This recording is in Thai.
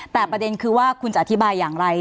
แต่ประเด็นคือว่าคุณจะอธิบายอย่างไร